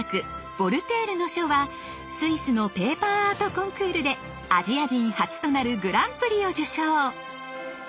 「ヴォルテールの書」はスイスのペーパーアートコンクールでアジア人初となるグランプリを受賞。